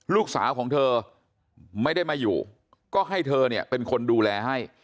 ลูกสาวของเธอไม่ได้มาอยู่ก็ให้เธอเนี่ยเป็นคนดูแลให้